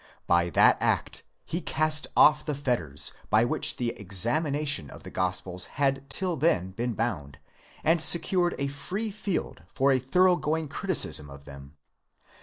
By that act he cast off the fetters by which the examin ation of the Gospels had till then been bound, and secured a free field for a thorough going criticism of them.